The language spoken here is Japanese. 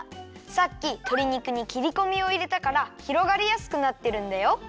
さっきとり肉にきりこみをいれたからひろがりやすくなってるんだよ。